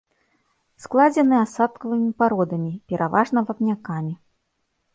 Складзены асадкавымі пародамі, пераважна вапнякамі.